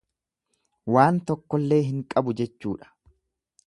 Waan tokkollee hin qabu jechuudha.